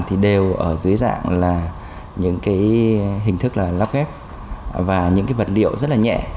thì đều ở dưới dạng là những cái hình thức là lắp ghép và những cái vật liệu rất là nhẹ